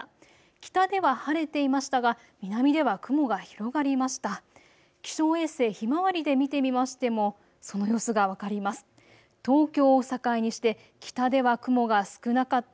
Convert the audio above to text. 北では晴れていましたが南では雲が広がりました。